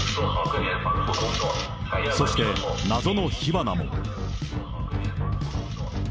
そして、謎の火花も。